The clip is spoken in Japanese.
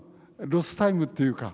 ロスタイムっていうか。